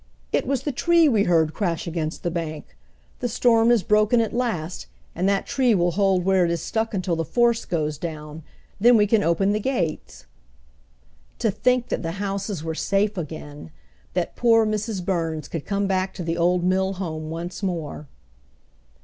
"It was the tree we heard crash against the bank. The storm is broken at last, and that tree will hold where it is stuck until the force goes down. Then we can open the gates." To think that the houses were safe again! That poor Mrs. Burns could come back to the old mill home once more!